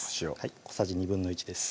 小さじ１／２です